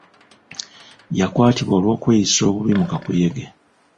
Yakwatibwa olw'okweyisa obubi mu kakuyege.